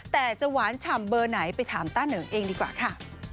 แต่จะหวานฉ่ำเบอร์ไหนไปถามต้าเหนิงเองดีกว่าค่ะ